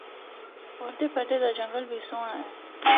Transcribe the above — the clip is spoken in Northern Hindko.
اُردے پردے دا جنگل بھی سہنڑا اے۔